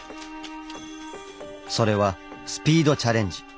それは「スピードチャレンジ」。